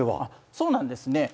そうなんですね。